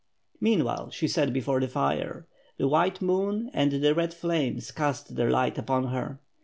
Meanwhile she sat before the fire. The white moon and the red flames cast their light upon her.